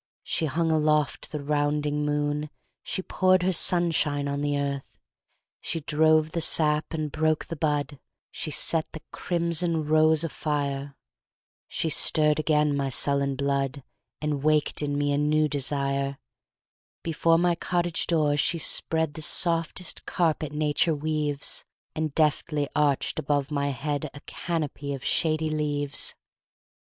She hung aloft the rounding moon, She poured her sunshine on the earth, She drove the sap and broke the bud, She set the crimson rose afire. She stirred again my sullen blood, And waked in me a new desire. Before my cottage door she spreadThe softest carpet nature weaves, And deftly arched above my headA canopy of shady leaves.